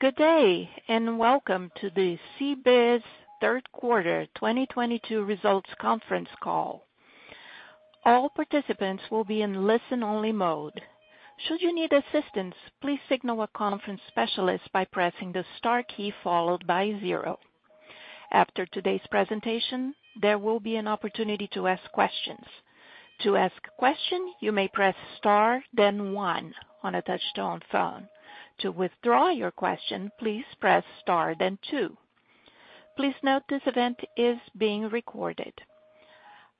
Good day, and welcome to the CBIZ third quarter 2022 results conference call. All participants will be in listen-only mode. Should you need assistance, please signal a conference specialist by pressing the star key followed by zero. After today's presentation, there will be an opportunity to ask questions. To ask a question, you may press star then one on a touch-tone phone. To withdraw your question, please press star then two. Please note this event is being recorded.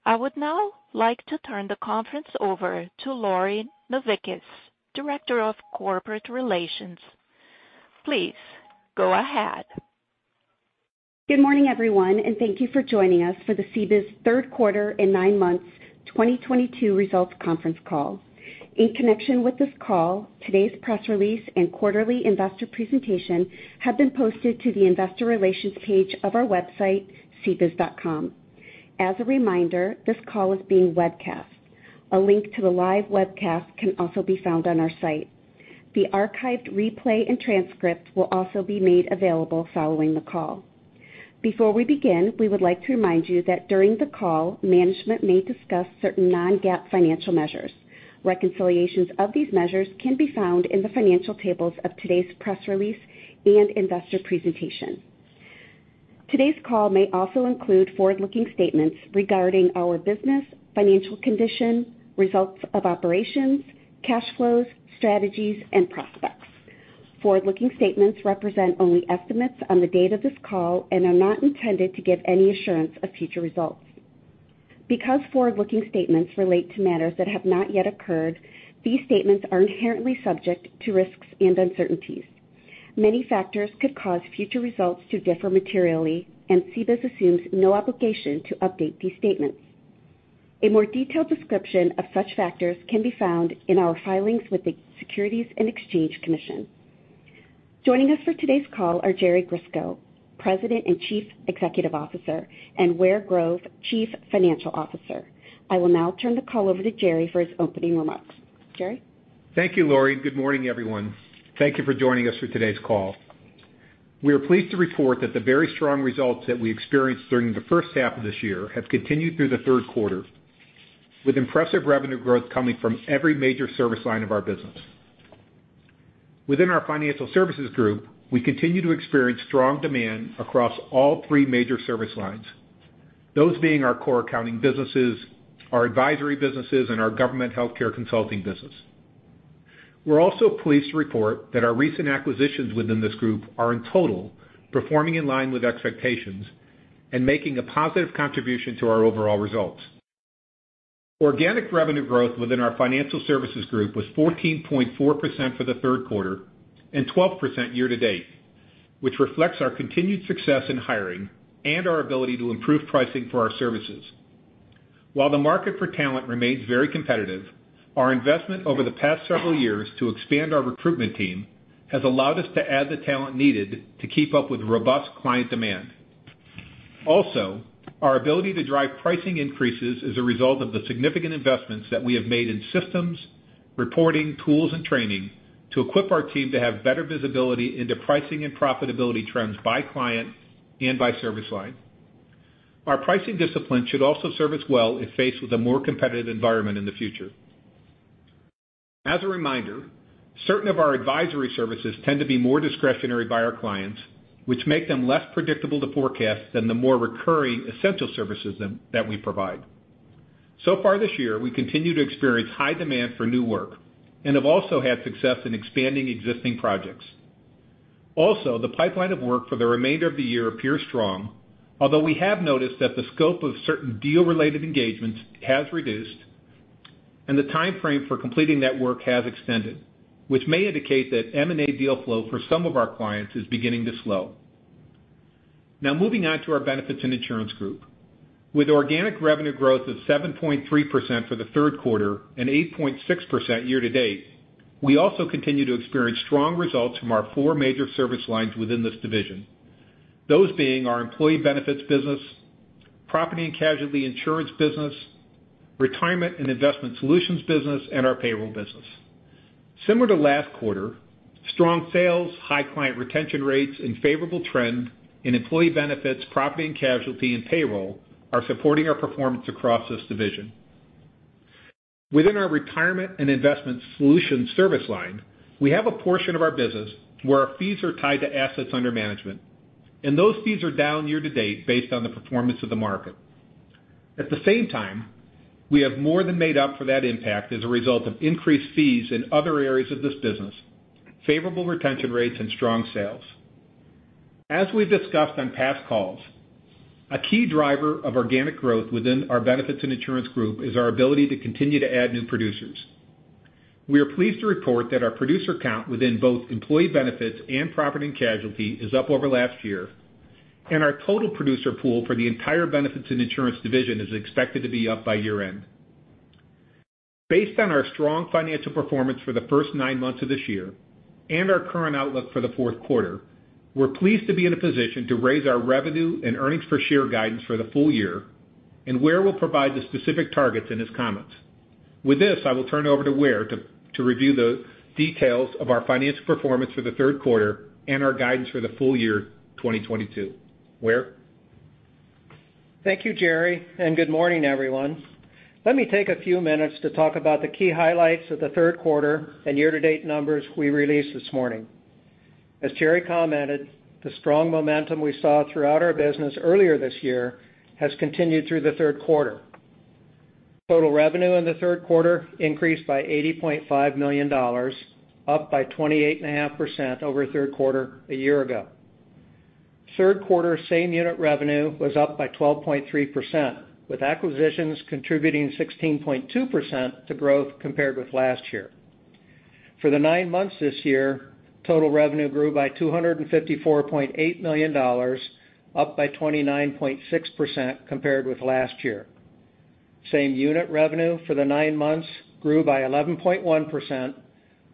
I would now like to turn the conference over to Lori Novickis, Director of Corporate Relations. Please go ahead. Good morning, everyone, and thank you for joining us for the CBIZ third quarter and nine months 2022 results conference call. In connection with this call, today's press release and quarterly investor presentation have been posted to the investor relations page of our website, cbiz.com. As a reminder, this call is being webcast. A link to the live webcast can also be found on our site. The archived replay and transcript will also be made available following the call. Before we begin, we would like to remind you that during the call, management may discuss certain non-GAAP financial measures. Reconciliations of these measures can be found in the financial tables of today's press release and investor presentation. Today's call may also include forward-looking statements regarding our business, financial condition, results of operations, cash flows, strategies, and prospects. Forward-looking statements represent only estimates on the date of this call and are not intended to give any assurance of future results. Because forward-looking statements relate to matters that have not yet occurred, these statements are inherently subject to risks and uncertainties. Many factors could cause future results to differ materially, and CBIZ assumes no obligation to update these statements. A more detailed description of such factors can be found in our filings with the Securities and Exchange Commission. Joining us for today's call are Jerry Grisko, President and Chief Executive Officer, and Ware Grove, Chief Financial Officer. I will now turn the call over to Jerry for his opening remarks. Jerry? Thank you, Lori. Good morning, everyone. Thank you for joining us for today's call. We are pleased to report that the very strong results that we experienced during the first half of this year have continued through the third quarter, with impressive revenue growth coming from every major service line of our business. Within our Financial Services group, we continue to experience strong demand across all three major service lines, those being our core accounting businesses, our advisory businesses, and our government healthcare consulting business. We're also pleased to report that our recent acquisitions within this group are in total performing in line with expectations and making a positive contribution to our overall results. Organic revenue growth within our Financial Services group was 14.4% for the third quarter and 12% year-to-date, which reflects our continued success in hiring and our ability to improve pricing for our services. While the market for talent remains very competitive, our investment over the past several years to expand our recruitment team has allowed us to add the talent needed to keep up with robust client demand. Also, our ability to drive pricing increases is a result of the significant investments that we have made in systems, reporting, tools, and training to equip our team to have better visibility into pricing and profitability trends by client and by service line. Our pricing discipline should also serve us well if faced with a more competitive environment in the future. As a reminder, certain of our advisory services tend to be more discretionary by our clients, which make them less predictable to forecast than the more recurring essential services that we provide. So far this year, we continue to experience high demand for new work and have also had success in expanding existing projects. Also, the pipeline of work for the remainder of the year appears strong, although we have noticed that the scope of certain deal-related engagements has reduced, and the timeframe for completing that work has extended, which may indicate that M&A deal flow for some of our clients is beginning to slow. Now moving on to our Benefits and Insurance group. With organic revenue growth of 7.3% for the third quarter and 8.6% year-to-date, we also continue to experience strong results from our four major service lines within this division, those being our employee benefits business, property and casualty insurance business, retirement and investment solutions business, and our payroll business. Similar to last quarter, strong sales, high client retention rates, and favorable trend in employee benefits, property and casualty, and payroll are supporting our performance across this division. Within our retirement and investment solutions service line, we have a portion of our business where our fees are tied to assets under management, and those fees are down year-to-date based on the performance of the market. At the same time, we have more than made up for that impact as a result of increased fees in other areas of this business, favorable retention rates, and strong sales. As we've discussed on past calls, a key driver of organic growth within our Benefits and Insurance group is our ability to continue to add new producers. We are pleased to report that our producer count within both employee benefits and property and casualty is up over last year, and our total producer pool for the entire Benefits and Insurance division is expected to be up by year-end. Based on our strong financial performance for the first nine months of this year and our current outlook for the fourth quarter, we're pleased to be in a position to raise our revenue and earnings per share guidance for the full year, and Ware will provide the specific targets in his comments. With this, I will turn it over to Ware to review the details of our financial performance for the third quarter and our guidance for the full year 2022. Ware? Thank you, Jerry, and good morning, everyone. Let me take a few minutes to talk about the key highlights of the third quarter and year-to-date numbers we released this morning. As Jerry commented, the strong momentum we saw throughout our business earlier this year has continued through the third quarter. Total revenue in the third quarter increased by $80.5 million, up by 28.5% over third quarter a year ago. Third quarter same-unit revenue was up by 12.3%, with acquisitions contributing 16.2% to growth compared with last year. For the nine months this year, total revenue grew by $254.8 million, up by 29.6% compared with last year. Same-unit revenue for the nine months grew by 11.1%,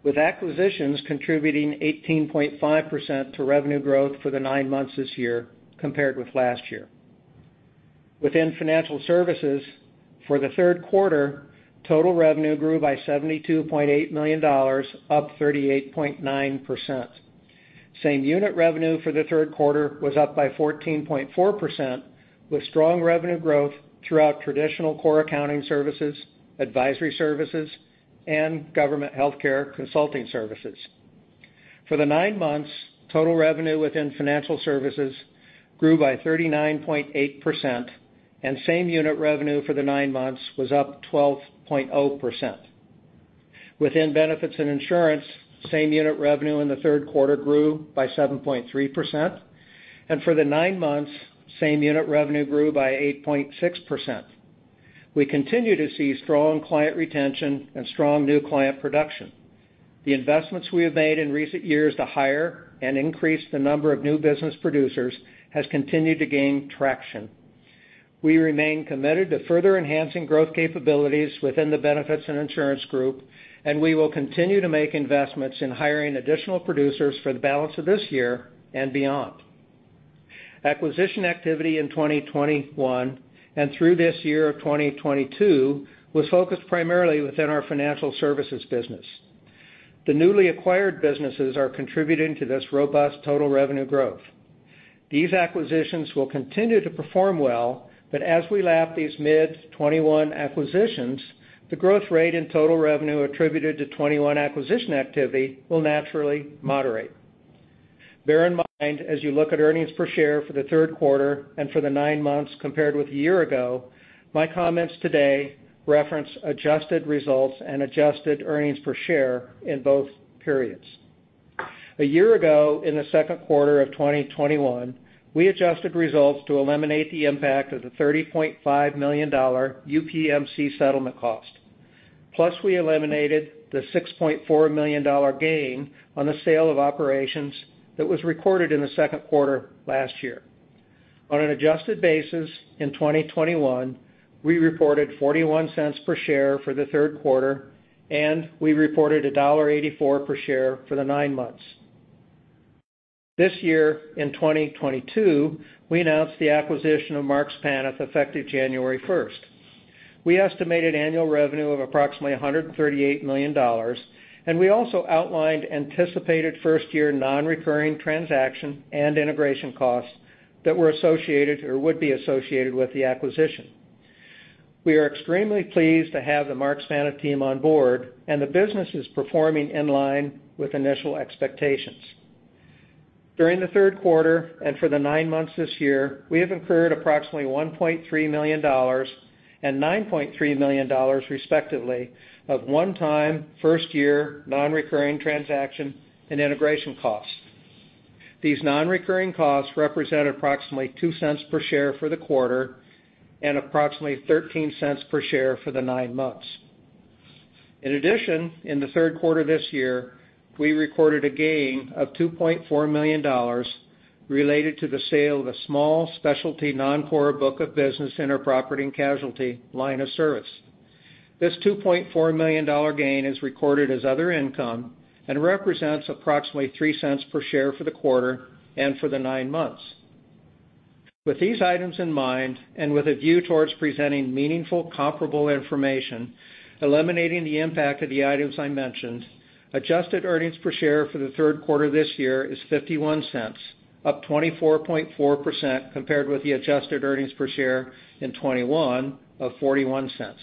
with acquisitions contributing 18.5% to revenue growth for the nine months this year compared with last year. Within Financial Services, for the third quarter, total revenue grew by $72.8 million, up 38.9%. Same-unit revenue for the third quarter was up by 14.4%, with strong revenue growth throughout traditional core accounting services, advisory services, and government healthcare consulting services. For the nine months, total revenue within Financial Services grew by 39.8%, and same-unit revenue for the nine months was up 12.0%. Within Benefits and Insurance, same-unit revenue in the third quarter grew by 7.3%, and for the nine months, same-unit revenue grew by 8.6%. We continue to see strong client retention and strong new client production. The investments we have made in recent years to hire and increase the number of new business producers has continued to gain traction. We remain committed to further enhancing growth capabilities within the Benefits and Insurance group, and we will continue to make investments in hiring additional producers for the balance of this year and beyond. Acquisition activity in 2021 and through this year of 2022 was focused primarily within our Financial Services business. The newly acquired businesses are contributing to this robust total revenue growth. These acquisitions will continue to perform well, but as we lap these mid-2021 acquisitions, the growth rate in total revenue attributed to 2021 acquisition activity will naturally moderate. Bear in mind, as you look at earnings per share for the third quarter and for the nine months compared with a year ago, my comments today reference adjusted results and adjusted earnings per share in both periods. A year ago, in the second quarter of 2021, we adjusted results to eliminate the impact of the $30.5 million UPMC settlement cost. Plus, we eliminated the $6.4 million gain on the sale of operations that was recorded in the second quarter last year. On an adjusted basis in 2021, we reported $0.41 per share for the third quarter, and we reported $1.84 per share for the nine months. This year, in 2022, we announced the acquisition of Marks Paneth, effective January 1st. We estimated annual revenue of approximately $138 million, and we also outlined anticipated first-year nonrecurring transaction and integration costs that were associated or would be associated with the acquisition. We are extremely pleased to have the Marks Paneth team on board, and the business is performing in line with initial expectations. During the third quarter and for the nine months this year, we have incurred approximately $1.3 million and $9.3 million, respectively, of one-time, first-year, nonrecurring transaction and integration costs. These nonrecurring costs represent approximately $0.02 per share for the quarter and approximately $0.13 per share for the nine months. In addition, in the third quarter this year, we recorded a gain of $2.4 million related to the sale of a small specialty non-core book of business in our property and casualty line of service. This $2.4 million gain is recorded as other income and represents approximately $0.03 per share for the quarter and for the nine months. With these items in mind, and with a view towards presenting meaningful, comparable information, eliminating the impact of the items I mentioned, adjusted earnings per share for the third quarter this year is $0.51, up 24.4% compared with the adjusted earnings per share in 2021 of $0.41.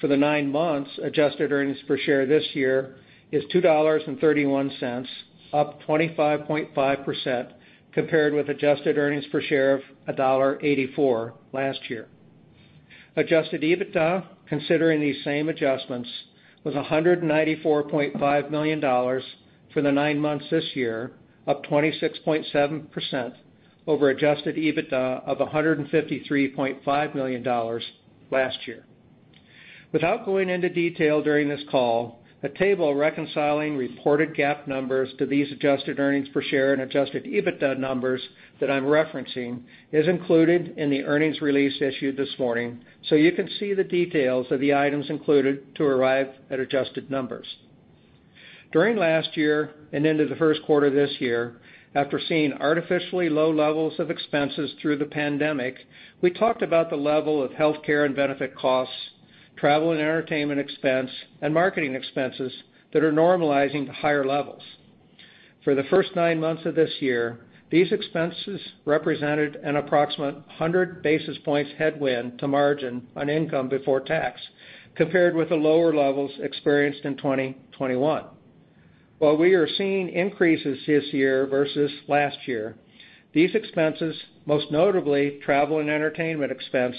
For the nine months, adjusted earnings per share this year is $2.31, up 25.5% compared with adjusted earnings per share of $1.84 last year. Adjusted EBITDA, considering these same adjustments, was $194.5 million for the nine months this year, up 26.7% over adjusted EBITDA of $153.5 million last year. Without going into detail during this call, a table reconciling reported GAAP numbers to these adjusted earnings per share and adjusted EBITDA numbers that I'm referencing is included in the earnings release issued this morning, so you can see the details of the items included to arrive at adjusted numbers. During last year and into the first quarter this year, after seeing artificially low levels of expenses through the pandemic, we talked about the level of healthcare and benefit costs, travel and entertainment expense, and marketing expenses that are normalizing to higher levels. For the first nine months of this year, these expenses represented an approximate 100 basis points headwind to margin on income before tax compared with the lower levels experienced in 2021. While we are seeing increases this year versus last year, these expenses, most notably travel and entertainment expense,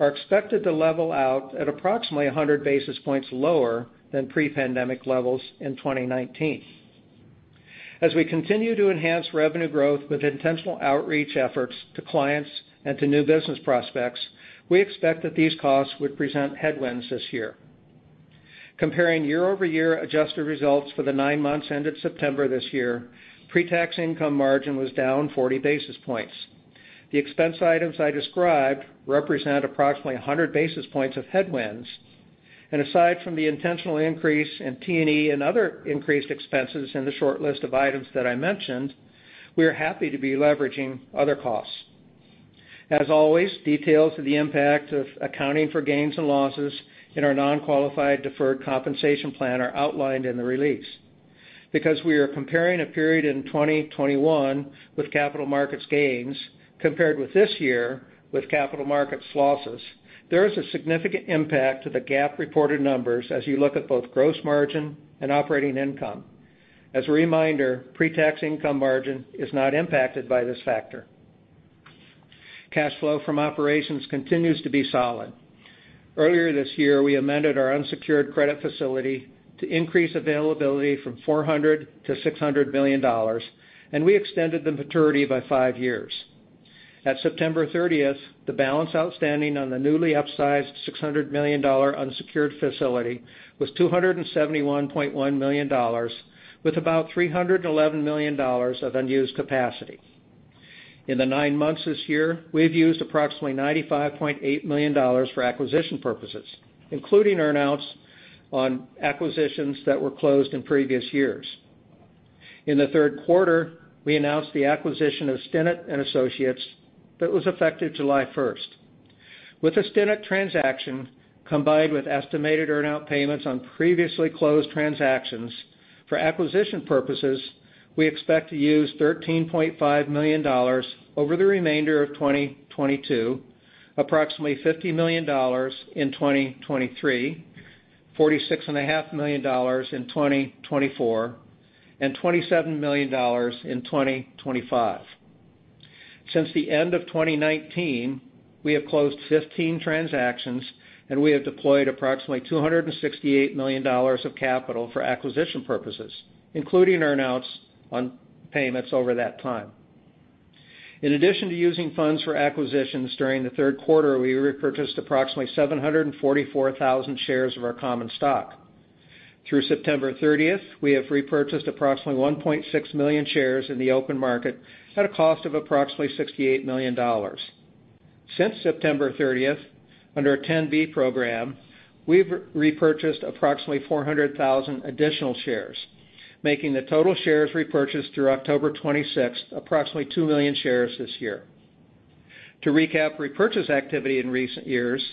are expected to level out at approximately 100 basis points lower than pre-pandemic levels in 2019. As we continue to enhance revenue growth with intentional outreach efforts to clients and to new business prospects, we expect that these costs would present headwinds this year. Comparing year-over-year adjusted results for the nine months ended September this year, pre-tax income margin was down 40 basis points. The expense items I described represent approximately 100 basis points of headwinds, and aside from the intentional increase in T&E and other increased expenses in the short list of items that I mentioned, we are happy to be leveraging other costs. As always, details of the impact of accounting for gains and losses in our non-qualified deferred compensation plan are outlined in the release. Because we are comparing a period in 2021 with capital markets gains compared with this year with capital markets losses, there is a significant impact to the GAAP reported numbers as you look at both gross margin and operating income. As a reminder, pre-tax income margin is not impacted by this factor. Cash flow from operations continues to be solid. Earlier this year, we amended our unsecured credit facility to increase availability from $400 million to $600 million, and we extended the maturity by five years. At September 30th, the balance outstanding on the newly upsized $600 million unsecured facility was $271.1 million, with about $311 million of unused capacity. In the nine months this year, we've used approximately $95.8 million for acquisition purposes, including earn-outs on acquisitions that were closed in previous years. In the third quarter, we announced the acquisition of Stinnett and Associates that was effective July 1st. With the Stinnett transaction, combined with estimated earn-out payments on previously closed transactions, for acquisition purposes, we expect to `use $13.5 million over the remainder of 2022, approximately $50 million in 2023, $46.5 million in 2024, and $27 million in 2025. Since the end of 2019, we have closed 15 transactions, and we have deployed approximately $268 million of capital for acquisition purposes, including earn-out payments over that time. In addition to using funds for acquisitions during the third quarter, we repurchased approximately 744,000 shares of our common stock. Through September 30th, we have repurchased approximately 1.6 million shares in the open market at a cost of approximately $68 million. Since September 30th, under a 10b program, we've repurchased approximately 400,000 additional shares, making the total shares repurchased through October 26 approximately 2 million shares this year. To recap repurchase activity in recent years,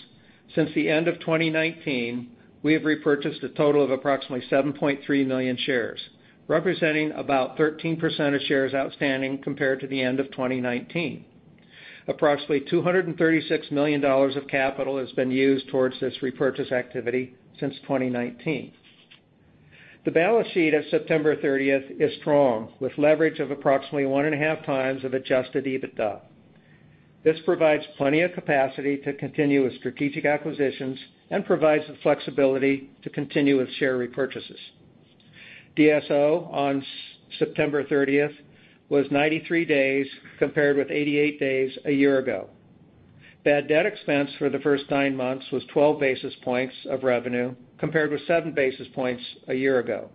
since the end of 2019, we have repurchased a total of approximately 7.3 million shares, representing about 13% of shares outstanding compared to the end of 2019. Approximately $236 million of capital has been used towards this repurchase activity since 2019. The balance sheet as of September 30th is strong, with leverage of approximately 1.5x of adjusted EBITDA. This provides plenty of capacity to continue with strategic acquisitions and provides the flexibility to continue with share repurchases. DSO on September 30th was 93 days, compared with 88 days a year ago. Bad debt expense for the first nine months was 12 basis points of revenue, compared with 7 basis points a year ago.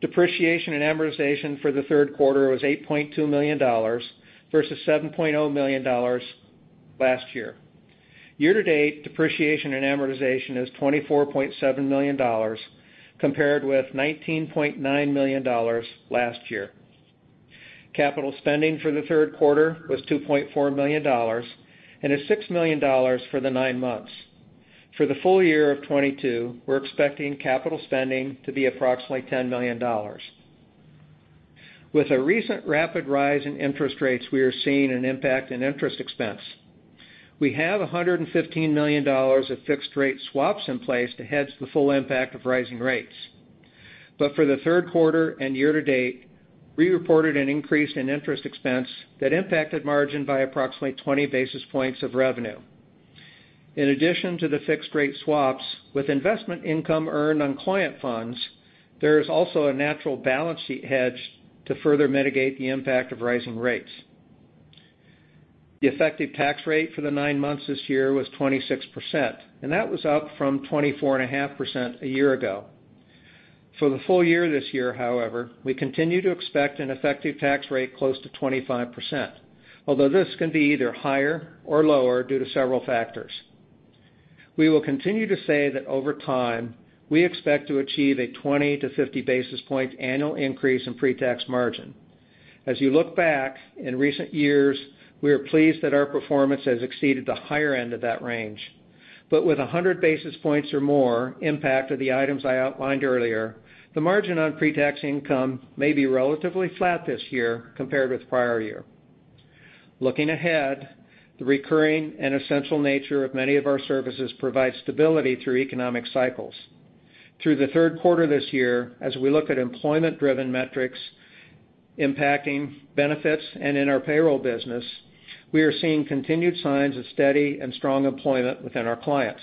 Depreciation and amortization for the third quarter was $8.2 million versus $7.0 million last year. Year-to-date, depreciation and amortization is $24.7 million, compared with $19.9 million last year. Capital spending for the third quarter was $2.4 million and is $6 million for the nine months. For the full year of 2022, we're expecting capital spending to be approximately $10 million. With the recent rapid rise in interest rates, we are seeing an impact in interest expense. We have $115 million of fixed-rate swaps in place to hedge the full impact of rising rates. For the third quarter and year-to-date, we reported an increase in interest expense that impacted margin by approximately 20 basis points of revenue. In addition to the fixed-rate swaps, with investment income earned on client funds, there is also a natural balance sheet hedge to further mitigate the impact of rising rates. The effective tax rate for the nine months this year was 26%, and that was up from 24.5% a year ago. For the full year this year, however, we continue to expect an effective tax rate close to 25%, although this can be either higher or lower due to several factors. We will continue to say that over time, we expect to achieve a 20-50 basis point annual increase in pre-tax margin. As you look back in recent years, we are pleased that our performance has exceeded the higher end of that range. With 100 basis points or more impact of the items I outlined earlier, the margin on pre-tax income may be relatively flat this year compared with prior year. Looking ahead, the recurring and essential nature of many of our services provide stability through economic cycles. Through the third quarter this year, as we look at employment-driven metrics impacting benefits and in our payroll business, we are seeing continued signs of steady and strong employment within our clients.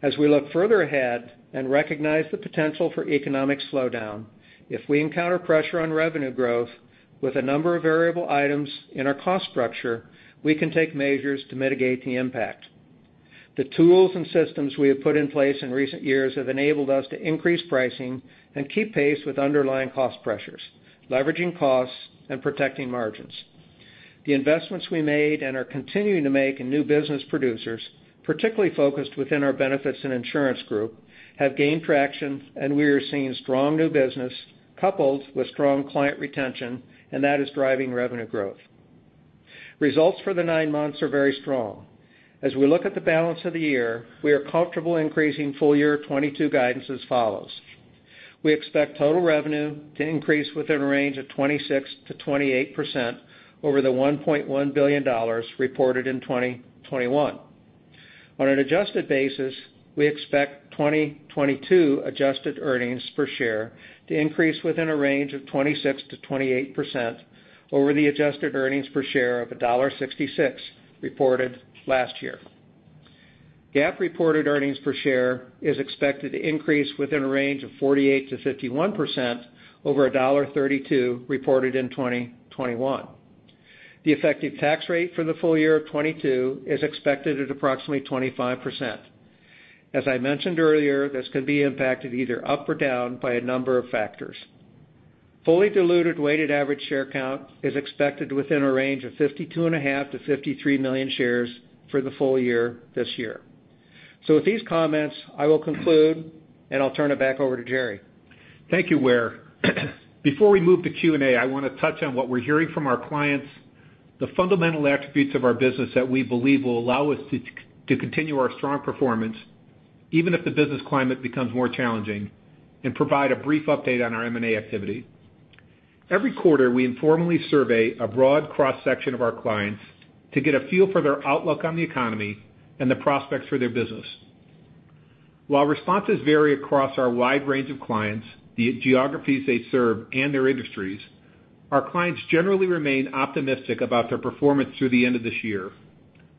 As we look further ahead and recognize the potential for economic slowdown, if we encounter pressure on revenue growth with a number of variable items in our cost structure, we can take measures to mitigate the impact. The tools and systems we have put in place in recent years have enabled us to increase pricing and keep pace with underlying cost pressures, leveraging costs and protecting margins. The investments we made and are continuing to make in new business producers, particularly focused within our Benefits and Insurance group, have gained traction, and we are seeing strong new business coupled with strong client retention, and that is driving revenue growth. Results for the nine months are very strong. As we look at the balance of the year, we are comfortable increasing full year 2022 guidance as follows. We expect total revenue to increase within a range of 26%-28% over the $1.1 billion reported in 2021. On an adjusted basis, we expect 2022 adjusted earnings per share to increase within a range of 26%-28% over the adjusted earnings per share of $1.66 reported last year. GAAP reported earnings per share is expected to increase within a range of 48%-51% over $1.32 reported in 2021. The effective tax rate for the full year of 2022 is expected at approximately 25%. As I mentioned earlier, this could be impacted either up or down by a number of factors. Fully diluted weighted average share count is expected within a range of 52.5 million-53 million shares for the full year this year. With these comments, I will conclude, and I'll turn it back over to Jerry. Thank you, Ware. Before we move to Q and A, I wanna touch on what we're hearing from our clients, the fundamental attributes of our business that we believe will allow us to continue our strong performance, even if the business climate becomes more challenging, and provide a brief update on our M&A activity. Every quarter, we informally survey a broad cross-section of our clients to get a feel for their outlook on the economy and the prospects for their business. While responses vary across our wide range of clients, the geographies they serve, and their industries, our clients generally remain optimistic about their performance through the end of this year.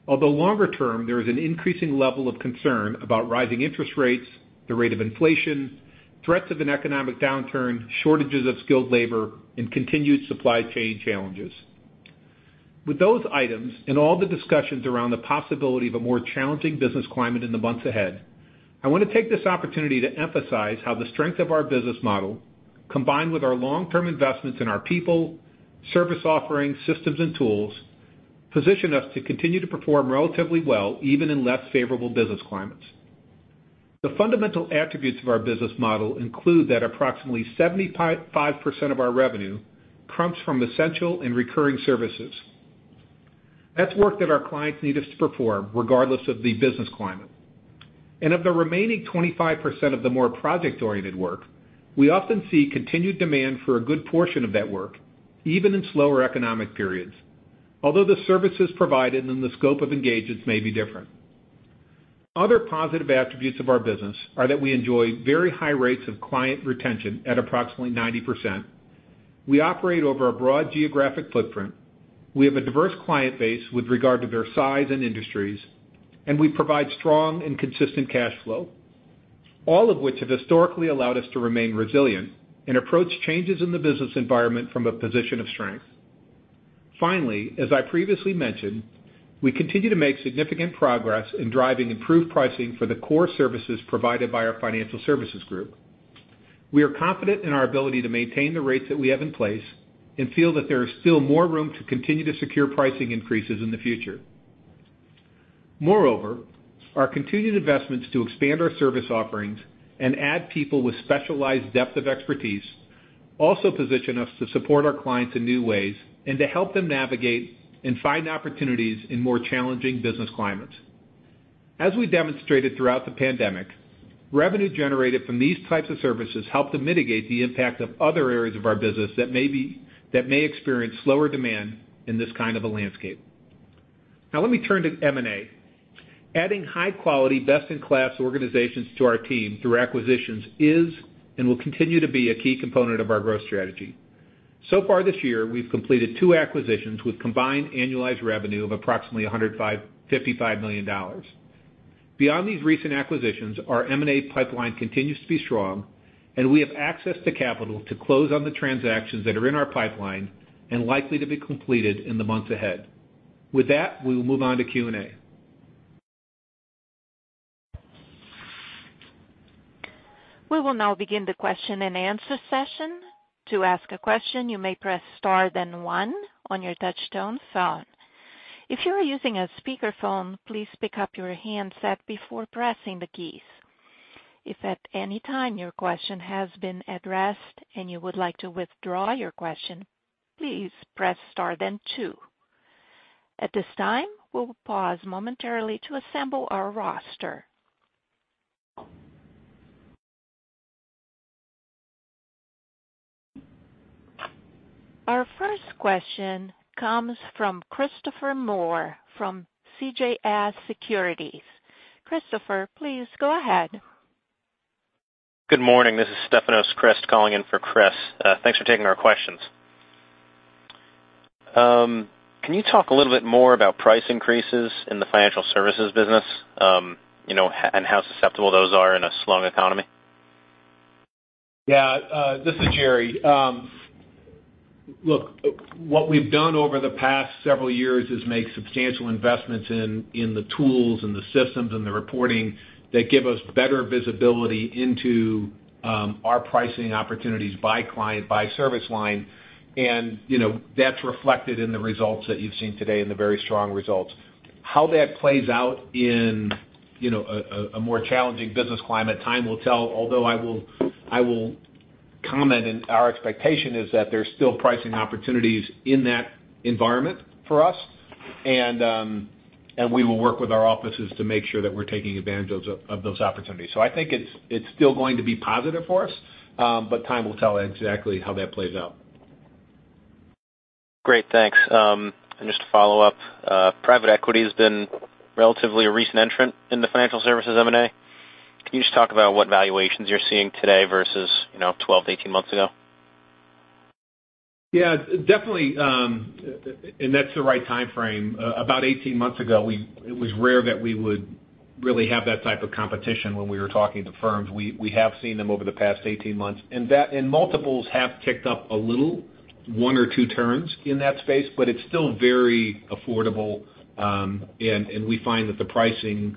Although longer term, there is an increasing level of concern about rising interest rates, the rate of inflation, threats of an economic downturn, shortages of skilled labor, and continued supply chain challenges. With those items and all the discussions around the possibility of a more challenging business climate in the months ahead, I wanna take this opportunity to emphasize how the strength of our business model, combined with our long-term investments in our people, service offerings, systems and tools, position us to continue to perform relatively well, even in less favorable business climates. The fundamental attributes of our business model include that approximately 75% of our revenue comes from essential and recurring services. That's work that our clients need us to perform regardless of the business climate. Of the remaining 25% of the more project-oriented work, we often see continued demand for a good portion of that work, even in slower economic periods, although the services provided and the scope of engagements may be different. Other positive attributes of our business are that we enjoy very high rates of client retention at approximately 90%. We operate over a broad geographic footprint, we have a diverse client base with regard to their size and industries, and we provide strong and consistent cash flow, all of which have historically allowed us to remain resilient and approach changes in the business environment from a position of strength. Finally, as I previously mentioned, we continue to make significant progress in driving improved pricing for the core services provided by our Financial Services group. We are confident in our ability to maintain the rates that we have in place and feel that there is still more room to continue to secure pricing increases in the future. Moreover, our continued investments to expand our service offerings and add people with specialized depth of expertise also position us to support our clients in new ways and to help them navigate and find opportunities in more challenging business climates. As we demonstrated throughout the pandemic, revenue generated from these types of services help to mitigate the impact of other areas of our business that may experience slower demand in this kind of a landscape. Now let me turn to M&A. Adding high-quality, best-in-class organizations to our team through acquisitions is and will continue to be a key component of our growth strategy. So far this year, we've completed two acquisitions with combined annualized revenue of approximately $155 million. Beyond these recent acquisitions, our M&A pipeline continues to be strong, and we have access to capital to close on the transactions that are in our pipeline and likely to be completed in the months ahead. With that, we will move on to Q and A. We will now begin the question-and-answer session. To ask a question, you may press star then one on your touch-tone phone. If you are using a speakerphone, please pick up your handset before pressing the keys. If at any time your question has been addressed and you would like to withdraw your question, please press star then two. At this time, we'll pause momentarily to assemble our roster. Our first question comes from Christopher Moore from CJS Securities. Christopher, please go ahead. Good morning. This is Stefanos Crist calling in for Chris. Thanks for taking our questions. Can you talk a little bit more about price increases in the Financial Services business, you know, and how susceptible those are in a slow economy? Yeah. This is Jerry. Look, what we've done over the past several years is make substantial investments in the tools and the systems and the reporting that give us better visibility into our pricing opportunities by client, by service line, and, you know, that's reflected in the results that you've seen today and the very strong results. How that plays out in, you know, a more challenging business climate, time will tell. Although I will comment, and our expectation is that there's still pricing opportunities in that environment for us, and we will work with our offices to make sure that we're taking advantage of those opportunities. I think it's still going to be positive for us, but time will tell exactly how that plays out. Great. Thanks. Just to follow up, private equity has been relatively a recent entrant in the Financial Services M&A. Can you just talk about what valuations you're seeing today versus, you know, 12-18 months ago? Yeah, definitely, that's the right time frame. About 18 months ago, it was rare that we would really have that type of competition when we were talking to firms. We have seen them over the past 18 months, and multiples have ticked up a little, one or two turns in that space, but it's still very affordable, and we find that the pricing,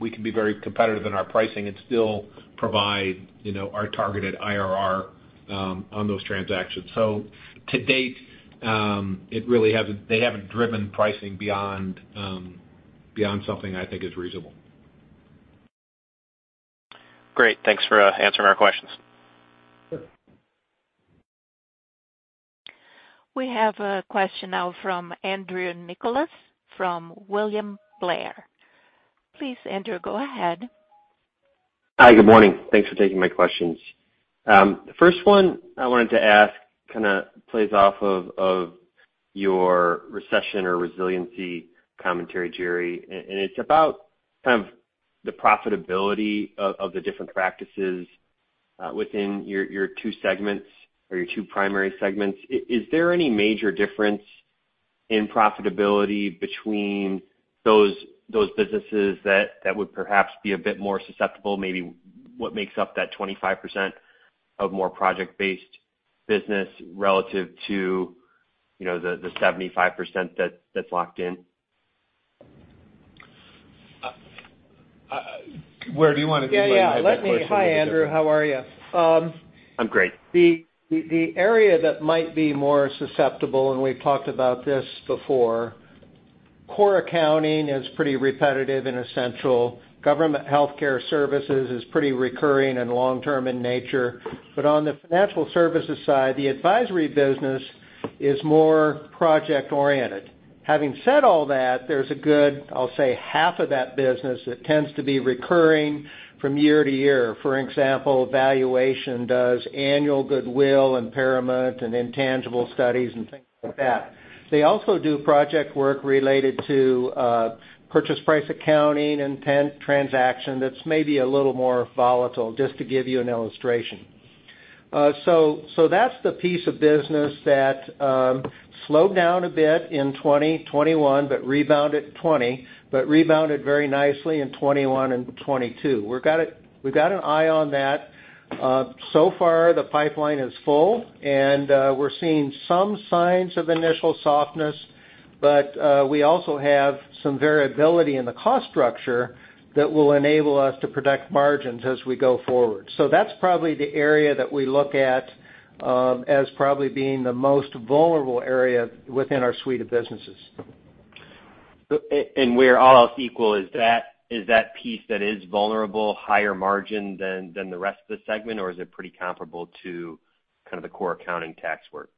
we can be very competitive in our pricing and still provide, you know, our targeted IRR on those transactions. To date, they haven't driven pricing beyond something I think is reasonable. Great. Thanks for answering our questions. Sure. We have a question now from Andrew Nicholas from William Blair. Please, Andrew, go ahead. Hi, good morning. Thanks for taking my questions. The first one I wanted to ask kind of plays off of your recession or resiliency commentary, Jerry, and it's about kind of the profitability of the different practices within your two segments or your two primary segments. Is there any major difference in profitability between those businesses that would perhaps be a bit more susceptible, maybe what makes up that 25% of more project-based business relative to, you know, the 75% that's locked in? Ware do you want to? Yeah, yeah. Do you want to take that question, or is it different? Hi, Andrew. How are you? I'm great. The area that might be more susceptible, and we've talked about this before, core accounting is pretty repetitive and essential. Government healthcare services is pretty recurring and long-term in nature. On the Financial Services side, the advisory business is more project-oriented. Having said all that, there's a good, I'll say, half of that business that tends to be recurring from year to year. For example, valuation does annual goodwill, impairment, and intangible studies and things like that. They also do project work related to purchase price accounting and transaction that's maybe a little more volatile, just to give you an illustration. So that's the piece of business that slowed down a bit in 2021, but rebounded very nicely in 2021 and 2022. We've got an eye on that. So far, the pipeline is full, and we're seeing some signs of initial softness, but we also have some variability in the cost structure that will enable us to protect margins as we go forward. That's probably the area that we look at as probably being the most vulnerable area within our suite of businesses. Where all else equal, is that piece that is vulnerable higher margin than the rest of the segment, or is it pretty comparable to kind of the core accounting tax work?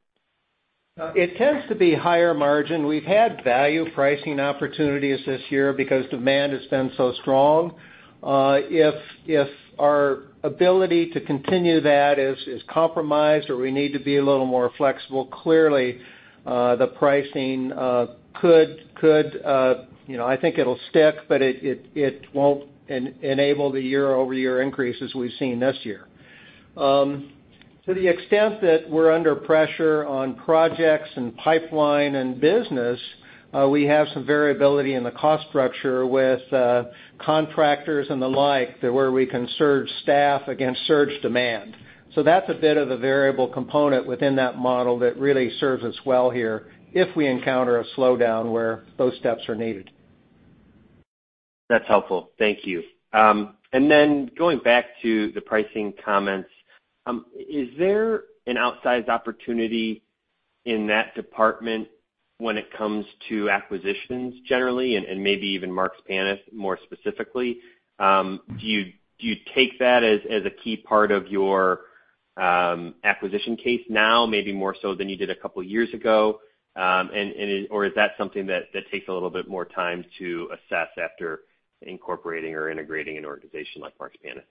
It tends to be higher margin. We've had value pricing opportunities this year because demand has been so strong. If our ability to continue that is compromised or we need to be a little more flexible, clearly, the pricing could, you know, I think it'll stick, but it won't enable the year-over-year increase as we've seen this year. To the extent that we're under pressure on projects and pipeline and business, we have some variability in the cost structure with contractors and the like, that where we can surge staff against surge demand. That's a bit of a variable component within that model that really serves us well here if we encounter a slowdown where those steps are needed. That's helpful. Thank you. Then going back to the pricing comments, is there an outsized opportunity in that department when it comes to acquisitions generally, and maybe even Marks Paneth more specifically? Do you take that as a key part of your acquisition case now, maybe more so than you did a couple years ago? Is that something that takes a little bit more time to assess after incorporating or integrating an organization like Marks Paneth?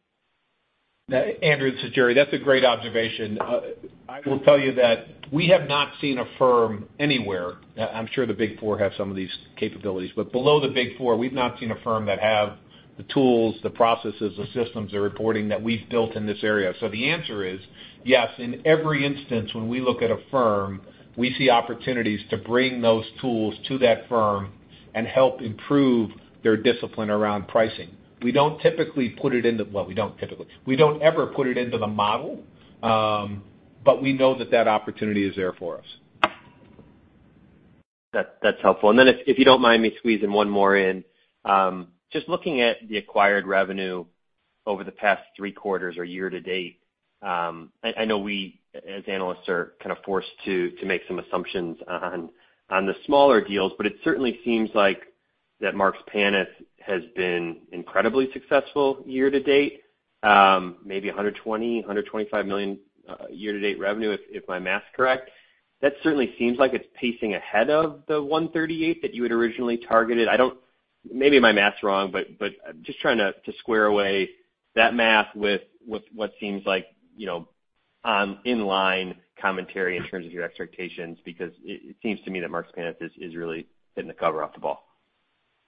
Andrew, this is Jerry. That's a great observation. I will tell you that we have not seen a firm anywhere. I'm sure the Big Four have some of these capabilities. Below the Big Four, we've not seen a firm that have the tools, the processes, the systems, the reporting that we've built in this area. The answer is yes, in every instance, when we look at a firm, we see opportunities to bring those tools to that firm and help improve their discipline around pricing. We don't ever put it into the model, but we know that that opportunity is there for us. That's helpful. If you don't mind me squeezing one more in, just looking at the acquired revenue over the past three quarters or year to date, I know we, as analysts, are kind of forced to make some assumptions on the smaller deals, but it certainly seems like that Marks Paneth has been incredibly successful year to date, maybe $120 million-$125 million year-to-date revenue, if my math's correct. That certainly seems like it's pacing ahead of the $138 million that you had originally targeted. Maybe my math's wrong, but just trying to square away that math with what seems like, you know, in line commentary in terms of your expectations, because it seems to me that Marks Paneth is really hitting the cover off the ball.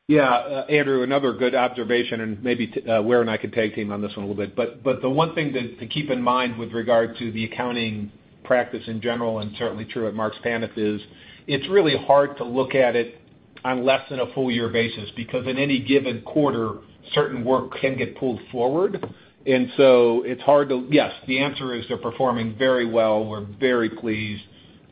Yeah. Andrew, another good observation, and maybe Ware and I could tag team on this one a little bit. The one thing to keep in mind with regard to the accounting practice in general, and certainly true at Marks Paneth, is it's really hard to look at it on less than a full year basis, because in any given quarter, certain work can get pulled forward. It's hard to. Yes, the answer is they're performing very well. We're very pleased,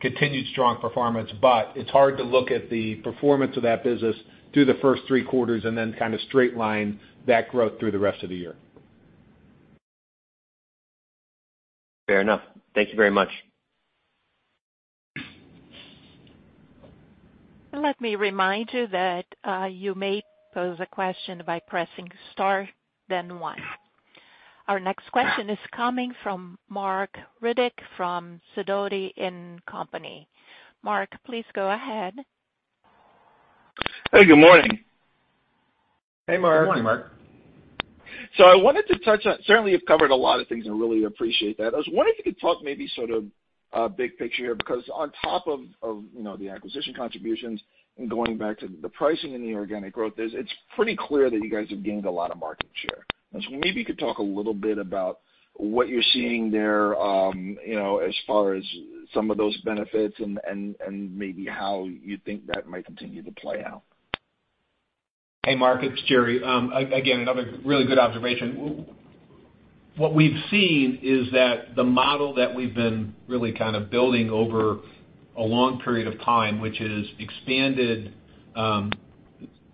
continued strong performance. It's hard to look at the performance of that business through the first three quarters and then kind of straight line that growth through the rest of the year. Fair enough. Thank you very much. Let me remind you that, you may pose a question by pressing star, then one. Our next question is coming from Marc Riddick from Sidoti & Company. Marc, please go ahead. Hey, good morning. Hey, Marc. Good morning, Marc. Certainly, you've covered a lot of things and really appreciate that. I was wondering if you could talk maybe sort of big picture here, because on top of you know the acquisition contributions and going back to the pricing and the organic growth, it's pretty clear that you guys have gained a lot of market share. I was wondering if maybe you could talk a little bit about what you're seeing there, you know, as far as some of those benefits and maybe how you think that might continue to play out. Hey, Marc, it's Jerry. Again, another really good observation. What we've seen is that the model that we've been really kind of building over a long period of time, which is expanded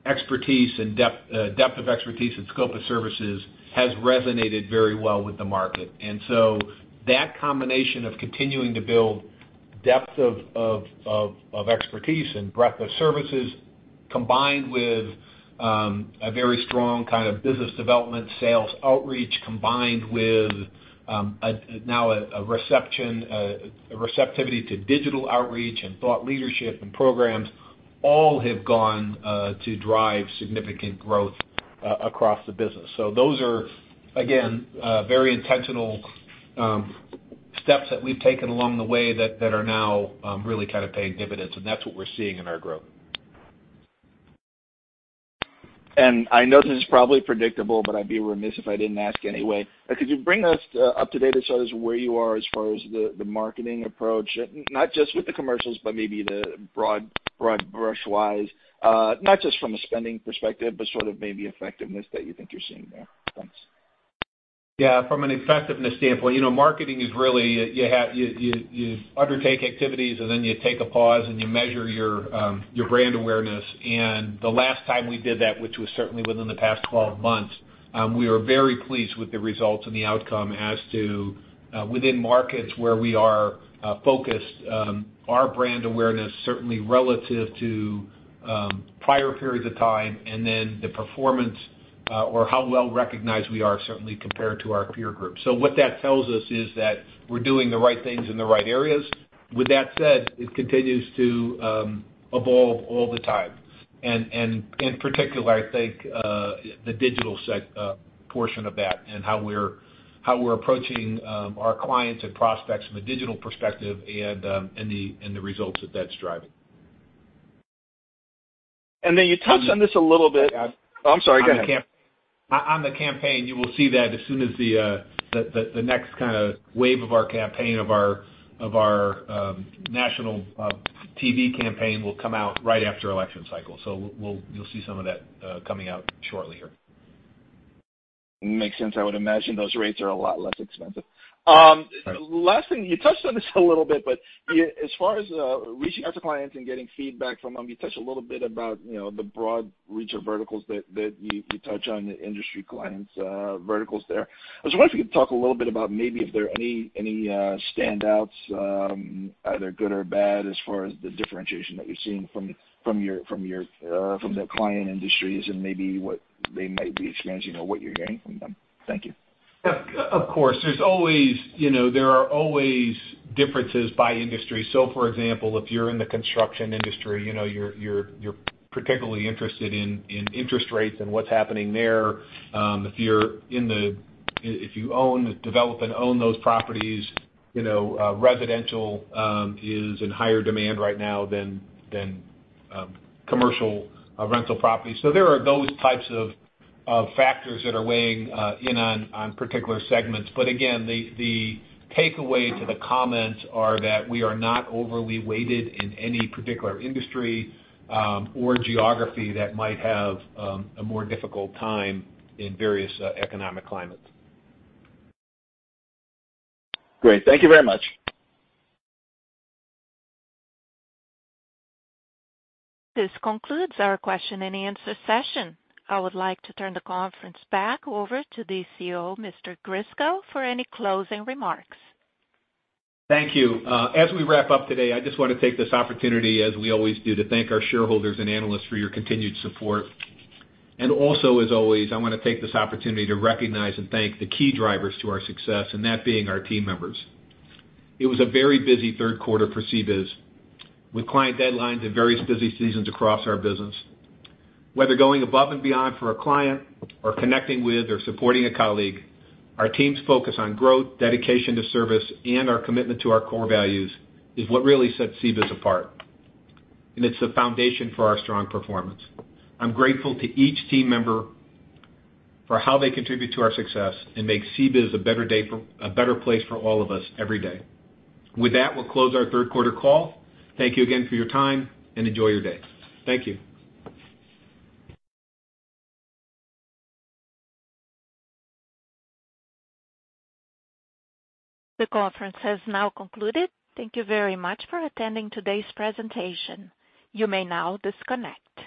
expertise and depth of expertise and scope of services, has resonated very well with the market. That combination of continuing to build depth of expertise and breadth of services, combined with a very strong kind of business development sales outreach, combined with now a receptivity to digital outreach and thought leadership and programs, all have gone to drive significant growth across the business. Those are, again, very intentional steps that we've taken along the way that are now really kind of paying dividends, and that's what we're seeing in our growth. I know this is probably predictable, but I'd be remiss if I didn't ask anyway. Could you bring us up to date as far as where you are as far as the marketing approach, not just with the commercials, but maybe the broad brush wise, not just from a spending perspective, but sort of maybe effectiveness that you think you're seeing there? Thanks. Yeah, from an effectiveness standpoint, you know, marketing is really, you undertake activities, and then you take a pause and you measure your brand awareness. The last time we did that, which was certainly within the past 12 months, we were very pleased with the results and the outcome as to within markets where we are focused, our brand awareness, certainly relative to prior periods of time, and then the performance or how well recognized we are, certainly compared to our peer group. What that tells us is that we're doing the right things in the right areas. With that said, it continues to evolve all the time. In particular, I think the digital portion of that and how we're approaching our clients and prospects from a digital perspective and the results that that's driving. You touched on this a little bit. Yeah. Oh, I'm sorry. Go ahead. On the campaign, you will see that as soon as the next kind of wave of our campaign, our national TV campaign will come out right after election cycle. You'll see some of that coming out shortly here. Makes sense. I would imagine those rates are a lot less expensive. Last thing, you touched on this a little bit, but as far as reaching out to clients and getting feedback from them, you touched a little bit about, you know, the broad reach or verticals that you touch on the industry clients, verticals there. I was wondering if you could talk a little bit about maybe if there are any standouts, either good or bad, as far as the differentiation that you're seeing from the client industries and maybe what they might be experiencing or what you're hearing from them. Thank you. Of course, there's always, you know, there are always differences by industry. For example, if you're in the construction industry, you know, you're particularly interested in interest rates and what's happening there. If you own, develop and own those properties, you know, residential is in higher demand right now than commercial rental properties. There are those types of factors that are weighing in on particular segments. Again, the takeaway to the comments are that we are not overly weighted in any particular industry or geography that might have a more difficult time in various economic climates. Great. Thank you very much. This concludes our question and answer session. I would like to turn the conference back over to the CEO, Mr. Grisko, for any closing remarks. Thank you. As we wrap up today, I just wanna take this opportunity, as we always do, to thank our shareholders and analysts for your continued support. Also, as always, I wanna take this opportunity to recognize and thank the key drivers to our success, and that being our team members. It was a very busy third quarter for CBIZ, with client deadlines and various busy seasons across our business. Whether going above and beyond for a client or connecting with or supporting a colleague, our team's focus on growth, dedication to service, and our commitment to our core values is what really sets CBIZ apart, and it's the foundation for our strong performance. I'm grateful to each team member for how they contribute to our success and make CBIZ a better place for all of us every day. With that, we'll close our third quarter call. Thank you again for your time, and enjoy your day. Thank you. The conference has now concluded. Thank you very much for attending today's presentation. You may now disconnect.